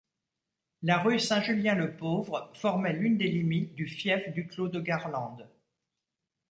La rue Saint-Julien-le-Pauvre formait l'une des limites du fief du clos de Garlande.